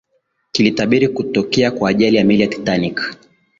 kilitabiri kutokea kwa ajali ya meli ya titanic